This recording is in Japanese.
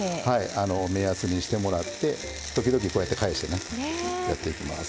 目安にしてもらって時々こうやって返してねやっていきます。